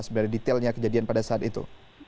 sebenarnya detailnya kejadian pada saat itu